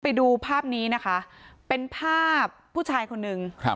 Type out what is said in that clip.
ไปดูภาพนี้นะคะเป็นภาพผู้ชายคนหนึ่งครับ